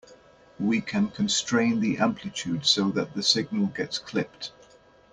We can constrain the amplitude so that the signal gets clipped.